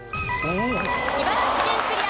茨城県クリア。